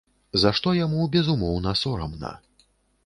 За што яму, безумоўна, сорамна.